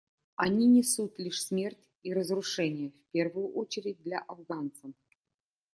Они несут лишь смерть и разрушение, в первую очередь для афганцев.